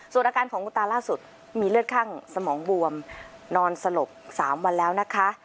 ส่วนอาการของคุณตาล่าสุดมีเลือดข้างสมองบวมนอนสลบ๓วันแล้วนะคะ